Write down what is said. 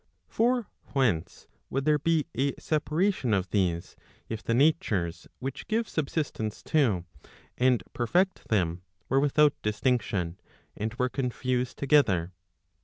For whence would there be a separation of these, if the natures which give subsistence to, and perfect them, were without distinction, and were confused together